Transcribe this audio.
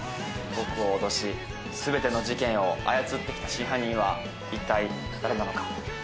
僕を脅し、全ての事件を操ってきた真犯人は一体、誰なのか。